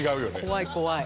怖い怖い。